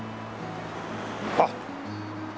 あっ。